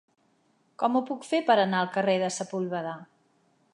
Com ho puc fer per anar al carrer de Sepúlveda?